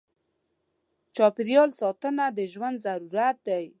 چاپېریال ساتنه د ژوند ضرورت دی.